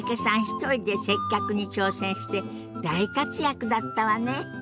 一人で接客に挑戦して大活躍だったわね。